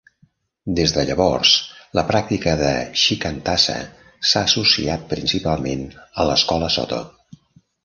Des de llavors, la pràctica de shikantaza s'ha associat principalment a l'escola Soto.